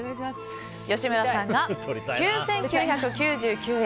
吉村さんが９９９９円。